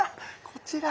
こちら。